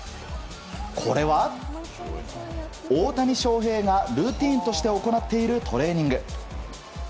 これは、大谷翔平がルーティンとして行っているトレーニング。